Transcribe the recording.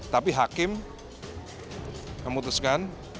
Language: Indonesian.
tapi hakim memutuskan